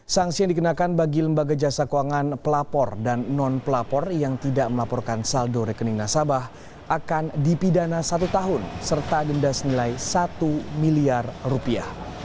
sanksi yang dikenakan bagi lembaga jasa keuangan pelapor dan non pelapor yang tidak melaporkan saldo rekening nasabah akan dipidana satu tahun serta denda senilai satu miliar rupiah